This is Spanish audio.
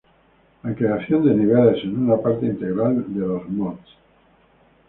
La creación de niveles en una parte integral de los mods.